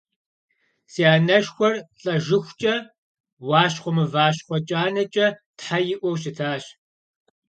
Си анэшхуэр лӏэжыхукӏэ «Уащхъуэ мывэщхъуэ кӏанэкӏэ» тхьэ иӏуэу щытащ.